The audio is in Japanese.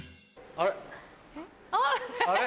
あれ？